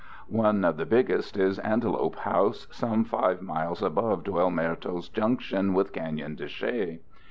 One of the biggest is Antelope House, some 5 miles above del Muerto's junction with Canyon de Chelly.